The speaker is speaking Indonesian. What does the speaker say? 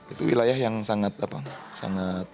itu wilayah yang sangat privat kesenian itu